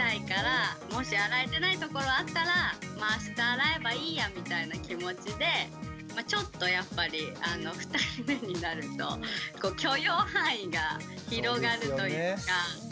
もし洗えてないところあったらあした洗えばいいやみたいな気持ちでちょっとやっぱり２人目になると許容範囲が広がるというか。